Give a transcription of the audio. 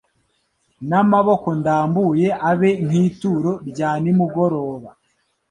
n’amaboko ndambuye abe nk’ituro rya nimugoroba